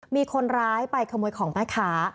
มีคนร้ายไปขโมยของแม่ค้า